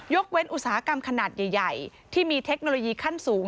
เว้นอุตสาหกรรมขนาดใหญ่ที่มีเทคโนโลยีขั้นสูง